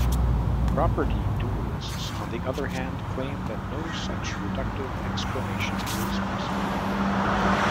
Property dualists, on the other hand, claim that no such reductive explanation is possible.